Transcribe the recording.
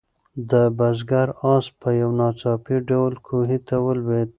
د بزګر آس په یو ناڅاپي ډول کوهي ته ولوېد.